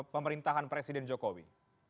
pemerintahan presiden jokowi